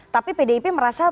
tapi pdip merasa